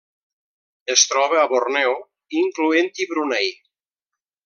Es troba a Borneo, incloent-hi Brunei.